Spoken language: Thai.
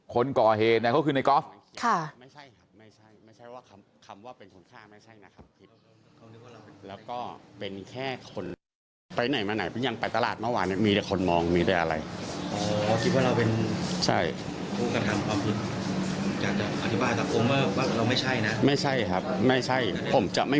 คนก่อเหตุเนี่ยเขาคือในกอล์ฟ